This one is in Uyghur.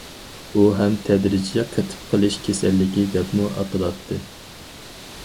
ئۇ ھەم تەدرىجىي قېتىپ قېلىش كېسەللىكى دەپمۇ ئاتىلاتتى.